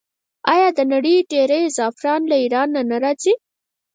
آیا د نړۍ ډیری زعفران له ایران نه راځي؟